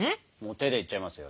手でいっちゃいますよ。